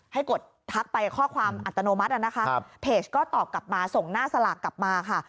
กดทักไปข้อความอัตโนมัตินะคะเพจก็ตอบกลับมาส่งหน้าสลากกลับมาค่ะ